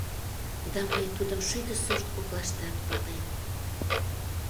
Да мый тудым шӱдӧ сорт коклаштат палем.